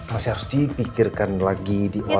masih harus dipikirkan lagi di awal